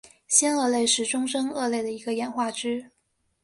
新鳄类是中真鳄类的一个演化支。